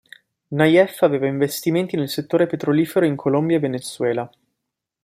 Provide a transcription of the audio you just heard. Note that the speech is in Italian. Nayef aveva investimenti nel settore petrolifero in Colombia e Venezuela.